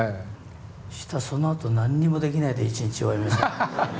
そしたらそのあと何にもできないで一日終わりましたね。